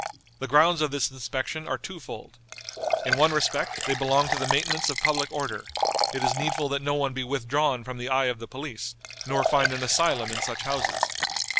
"The grounds of this inspection are two fold. In one respect they belong to the maintenance of public order: it is needful that no one be withdrawn from the eye of the police, nor find an asylum in such houses.